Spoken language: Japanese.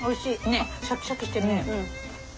あっシャキシャキしてるね。